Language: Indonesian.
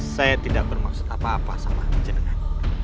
saya tidak bermaksud apa apa sama jenengan